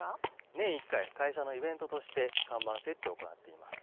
年１回、会社のイベントとして看板設置を行っています。